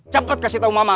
cepat kasih tau mama